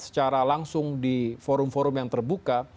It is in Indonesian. secara langsung di forum forum yang terbuka